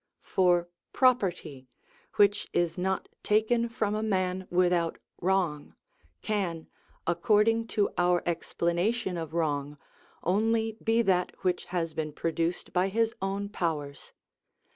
For property, which is not taken from a man without wrong, can, according to our explanation of wrong, only be that which has been produced by his own powers.